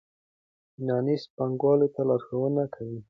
فینانس پانګوالو ته لارښوونه کوي.